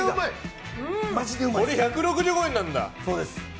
これ、１６５円なんだ。